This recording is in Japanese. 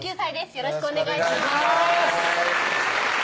よろしくお願いします